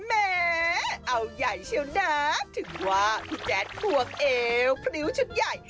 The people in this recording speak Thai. แหมเอาใหญ่เชียวนะถึงว่าพี่แจ๊ดควงเอวพริ้วชุดใหญ่